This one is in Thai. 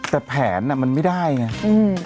แต่แผนมันไม่ได้ไง